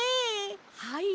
はい。